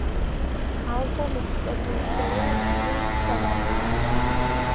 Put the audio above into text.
ალბომის პროდიუსერია კრის თომასი.